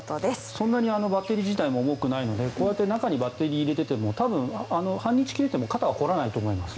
そんなにバッテリー自体も重くないので中にバッテリーを入れていても半日着ていても肩は凝らないと思います。